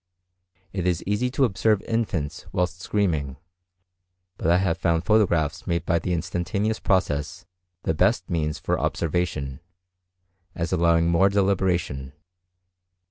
It is easy to observe infants whilst screaming; but I have found photographs made by the instantaneous process the best means for observation, as allowing more deliberation.